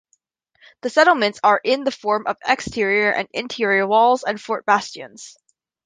The settlements are in the form of exterior and interior walls, and fort bastions.